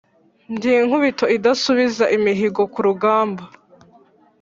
Ndi Nkubito idasubiza imihigo ku rugamba